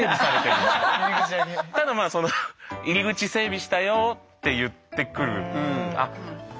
ただまあその「入り口整備したよ」って言ってくる。